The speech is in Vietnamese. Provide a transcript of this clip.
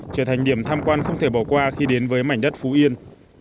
trở thành điểm tham quan không thể bỏ qua khi đến với mảnh đất phú yên